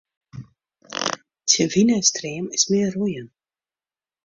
Tsjin wyn en stream is 't min roeien.